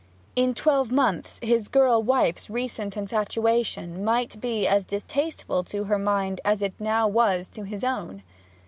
In twelve months his girl wife's recent infatuation might be as distasteful to her mind as it was now to his own.